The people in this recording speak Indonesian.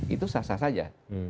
itu sah sah saja